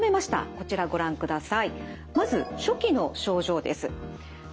こちらご覧ください。